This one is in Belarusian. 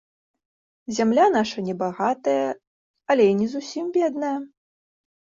Зямля наша не багатая, але і не зусім бедная.